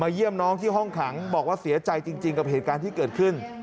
เยี่ยมน้องที่ห้องขังบอกว่าเสียใจจริงกับเหตุการณ์ที่เกิดขึ้น